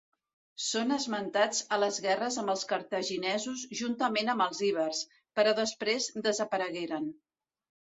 Són esmentats a les guerres amb els cartaginesos juntament amb els ibers, però després desaparegueren.